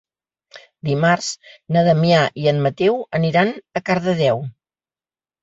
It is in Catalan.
Dimarts na Damià i en Mateu aniran a Cardedeu.